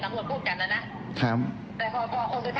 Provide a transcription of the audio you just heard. ว่าเขาเก็บได้